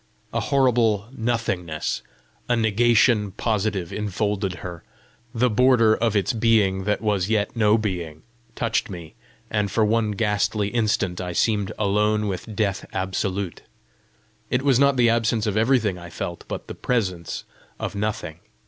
A horrible Nothingness, a Negation positive infolded her; the border of its being that was yet no being, touched me, and for one ghastly instant I seemed alone with Death Absolute! It was not the absence of everything I felt, but the presence of Nothing.